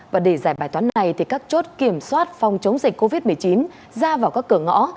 và để giải bài toán này thì các chốt kiểm soát phòng chống dịch covid một mươi chín ra vào các cửa ngõ